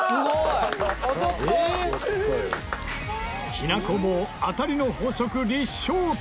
きなこ棒当たりの法則立証か？